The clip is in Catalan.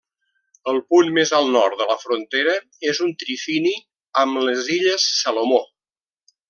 El punt més al nord de la frontera és un trifini amb les Illes Salomó.